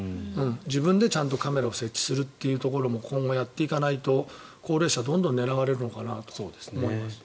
自分でちゃんとカメラを設置するところも今後、やっていかないと高齢者、どんどん狙われるのかなと思います。